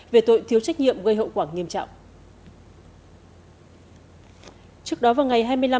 về tội thiếu trách nhiệm gây hậu quả nghiêm trọng